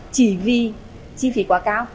chỉ vì chi phí quá cao